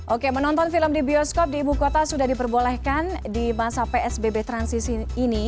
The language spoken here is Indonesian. oke menonton film di bioskop di ibu kota sudah diperbolehkan di masa psbb transisi ini